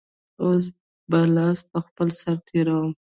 اوس به لاس په خپل سر تېروم.